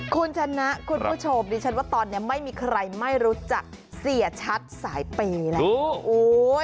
คุณชนะคุณผู้ชมดิฉันว่าตอนนี้ไม่มีใครไม่รู้จักเสียชัดสายเปย์แล้ว